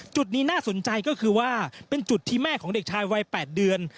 จุดนี้น่าสนใจก็คือว่าเป็นจุดที่แม่ของเด็กชายวัย๘เดือน